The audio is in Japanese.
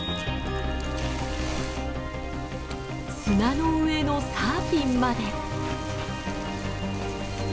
砂の上のサーフィンまで。